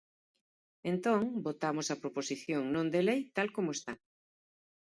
Entón, votamos a proposición non de lei tal como está.